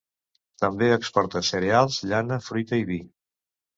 També exporta cereals, llana, fruita i vi.